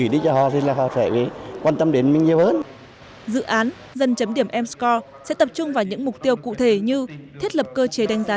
dự án dân chấm điểm m score sẽ tập trung vào những mục tiêu cụ thể như thiết lập cơ chế đánh giá